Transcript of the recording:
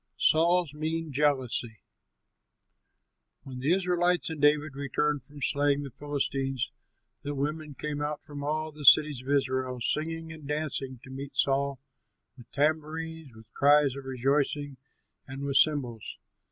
SAUL'S MEAN JEALOUSY When the Israelites and David returned from slaying the Philistines, the women came out from all the cities of Israel, singing and dancing, to meet Saul with tambourines, with cries of rejoicing, and with cymbals.